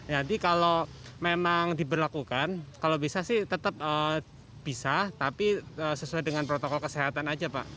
jadi kalau memang diberlakukan kalau bisa sih tetap bisa tapi sesuai dengan protokol kesehatan aja pak